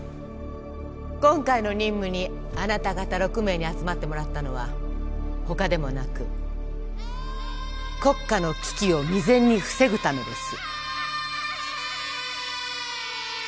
今回の任務にあなた方６名に集まってもらったのはほかでもなく国家の危機を未然に防ぐためです